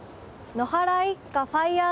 野原一家ファイヤー！